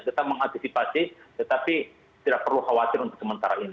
tetap mengantisipasi tetapi tidak perlu khawatir untuk sementara ini